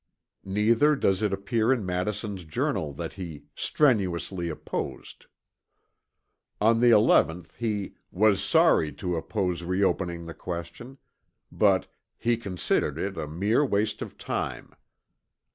Neither does it appear in Madison's Journal that he "strenuously opposed." On the 11th he "was sorry to oppose reopening the question," but "he considered it a mere waste of time."